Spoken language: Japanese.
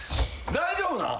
大丈夫なん？